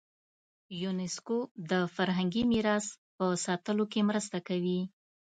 یونسکو د فرهنګي میراث په ساتلو کې مرسته کوي.